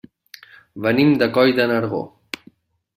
Venim de Coll de Nargó.